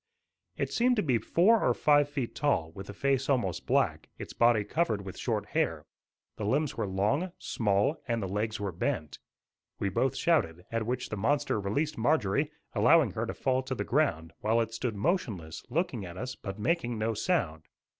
It seemed to be four or five feet tall, with a face almost black, its body covered with short hair. The limbs were long, small, and the legs were bent. We both shouted, at which the monster released Marjorie, allowing her to fall to the ground, while it stood motionless, looking at us, but making no sound.